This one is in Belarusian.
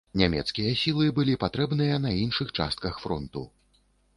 Нямецкія сілы былі патрэбныя на іншых частках фронту.